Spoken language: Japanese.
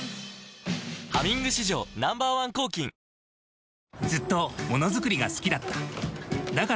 「ハミング」史上Ｎｏ．１抗菌きたきた！